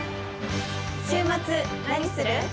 週末何する？